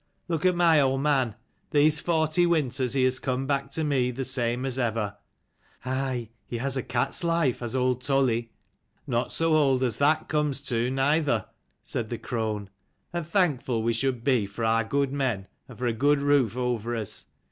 Look at my old man. These forty winters he has come back to me the same as ever." "Aye, he has a cat's life, has old Toli." "Not so old as that comes to, neither," said the crone. "And thankful we should be for our good men and for a good roof over us.